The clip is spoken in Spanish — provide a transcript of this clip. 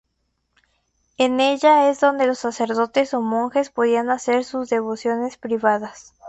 En ella es donde los sacerdotes o monjes podían hacer sus devociones privadas.